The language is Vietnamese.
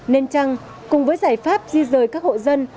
nên chăng cùng với giải pháp di rời các hộ dân